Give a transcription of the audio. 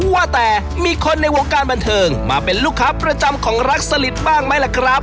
ว่าแต่มีคนในวงการบันเทิงมาเป็นลูกค้าประจำของรักสลิดบ้างไหมล่ะครับ